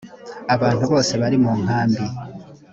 abantu bose bari mu nkambi